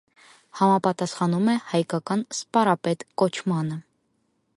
Համապատասխանում է հայկական «սպարապետ» կոչմանը։